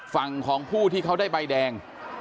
ฝั่งของผู้ที่เขาได้ใบแดง